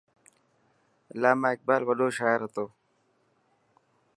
علامه اقبال وڏو شاعر هتو.